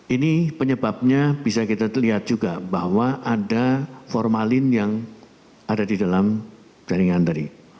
ini penyebabnya bisa kita lihat juga bahwa ada formalin yang ada di dalam jaringan tadi